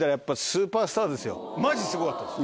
マジすごかったです。